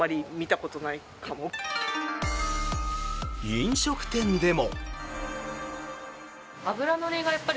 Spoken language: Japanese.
飲食店でも。